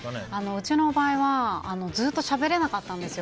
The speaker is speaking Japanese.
うちの場合はずっとしゃべれなかったんですよ。